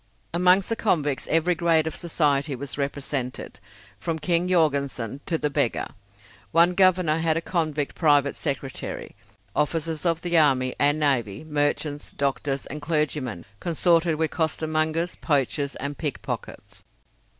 Amongst the convicts every grade of society was represented, from King Jorgensen to the beggar. One Governor had a convict private secretary. Officers of the army and navy, merchants, doctors, and clergymen consorted with costermongers, poachers, and pickpockets.